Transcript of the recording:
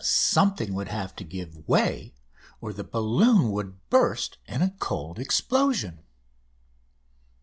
Something would have to give way, or the balloon would burst in a "cold explosion."